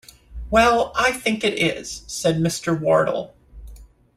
‘Well, I think it is,’ said Mr. Wardle.